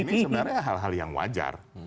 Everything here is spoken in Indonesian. ini sebenarnya hal hal yang wajar